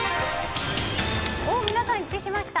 皆さん、一致しました。